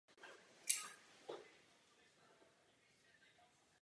Dům fotografie aktivně podporuje moderní ruské fotografy a umělce.